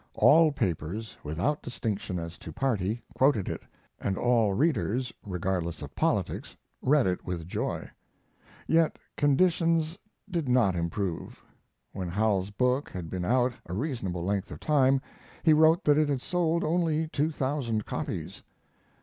All papers, without distinction as to party, quoted it, and all readers, regardless of politics, read it with joy. Yet conditions did not improve. When Howells's book had been out a reasonable length of time he wrote that it had sold only two thousand copies.